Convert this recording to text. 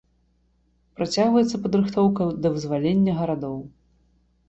Працягваецца падрыхтоўка да вызвалення гарадоў.